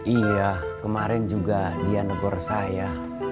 iya kemarin juga dia negor saya